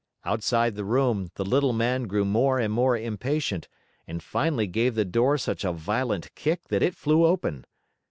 Outside the room, the Little Man grew more and more impatient, and finally gave the door such a violent kick that it flew open.